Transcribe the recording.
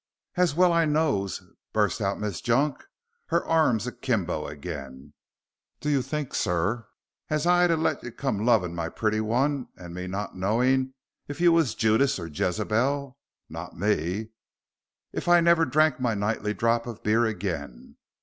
"As well I knows," burst out Miss Junk, her arms akimbo again. "Do you think, sir, as I'd ha' let you come loving my pretty one and me not knowing if you was Judas or Jezebel? Not me, if I never drank my nightly drop of beer again.